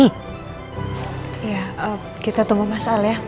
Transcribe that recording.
iya kita tunggu mas al ya